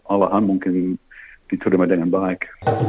allahan mungkin diterima dengan baik